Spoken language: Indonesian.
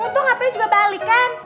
untung hpnya juga balik kan